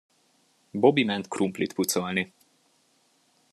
Bobby ment krumplit pucolni.